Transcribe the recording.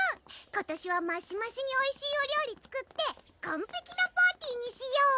今年はマシマシにおいしいお料理作って完璧なパーティにしよ！